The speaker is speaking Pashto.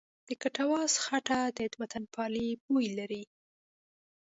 د کټواز خټه د وطنپالنې بوی لري.